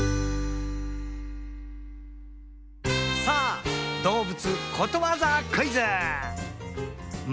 さあどうぶつことわざクイズ。